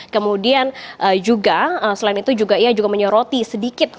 kemudian juga selain itu juga ia juga menyoroti sedikit